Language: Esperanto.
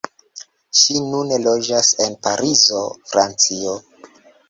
Ŝi nune loĝas en Parizo, Francio.